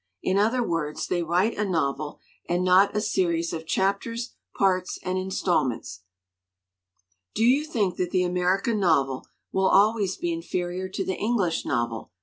In "other words, they write a novel and not a series of chapters, parts, and instalments," '$8 MAGAZINES CHEAPEN FICTION ''Do you think that the American novel will always be inferior to the English novel?"